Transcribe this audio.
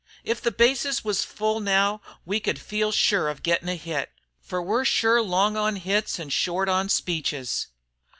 If the bases was full now we could feel sure of gittin' a hit, fer we're sure long on hits an' short on speeches.